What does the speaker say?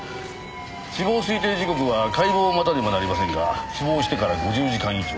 死亡推定時刻は解剖を待たねばなりませんが死亡してから５０時間以上。